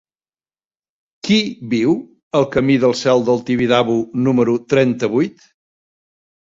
Qui viu al camí del Cel del Tibidabo número trenta-vuit?